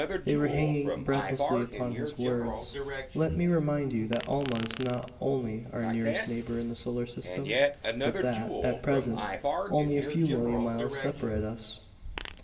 They were hanging breathlessly upon his words. "Let me remind you that Alma is not only our nearest neighbor in the solar system, but that, at present, only a few million miles separate us.